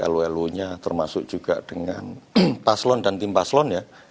lulu nya termasuk juga dengan paslon dan tim paslon ya